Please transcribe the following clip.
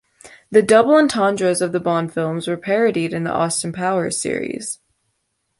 The double entendres of the Bond films were parodied in the "Austin Powers" series.